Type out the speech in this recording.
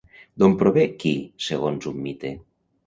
D'on prové Ki segons un mite?